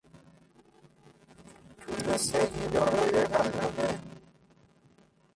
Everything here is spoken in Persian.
توله سگی دارای قلاده